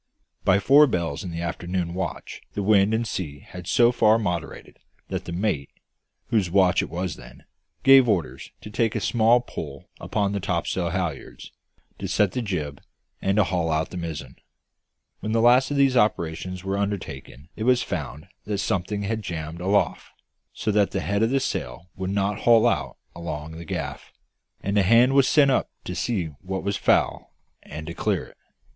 By four bells in the afternoon watch the wind and sea had so far moderated that the mate, whose watch it then was, gave orders to take a small pull upon the topsail halliards, to set the jib, and to haul out the mizzen. When the last of these operations were undertaken it was found that something had jammed aloft, so that the head of the sail would not haul out along the gaff; and a hand was sent up to see what was foul, and to clear it.